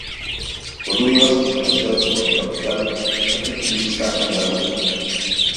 Columnas financiadas por el capital latifundista andaluz.